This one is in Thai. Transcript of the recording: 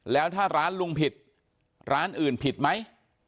แล้วถ้าร้านลุงผิดร้านอื่นผิดไหม